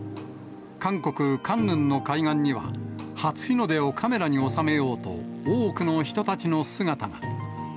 韓国・カンヌンの海岸には、初日の出をカメラに収めようと、多くの人たちの姿が。